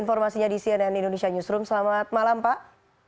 informasinya di cnn indonesia newsroom selamat malam pak